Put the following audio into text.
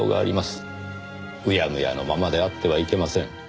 うやむやのままであってはいけません。